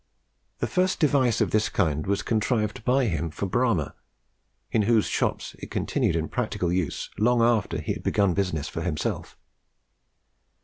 The first device of this kind was contrived by him for Bramah, in whose shops it continued in practical use long after he had begun business for himself.